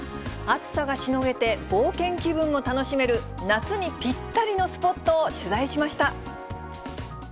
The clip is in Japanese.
暑さがしのげて、冒険気分も楽しめる夏にぴったりのスポットを取材しました。